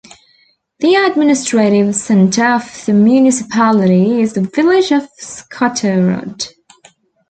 The administrative centre of the municipality is the village of Skotterud.